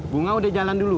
bunga udah jalan duluan